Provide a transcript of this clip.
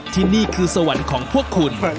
ที่นี่คือสวรรค์ของพวกคุณ